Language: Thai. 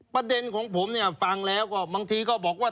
ประเด็นของผมฟังแล้วมามันบอกว่า